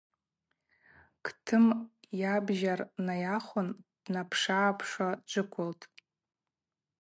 Кӏтӏым йабджьар найахвын Днапшыгӏапшуа дджвыквылтӏ.